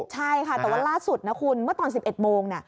ใช่ค่ะแต่ว่าล่าสุดนะคุณเมื่อตอน๑๑โมง